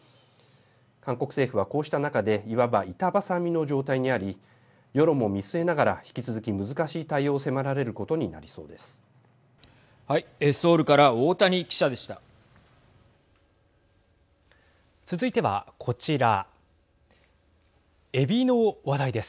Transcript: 韓国政府は、こうした中でいわば板挟みの状態にあり世論も見据えながら引き続き難しい対応を迫られることになりそうです。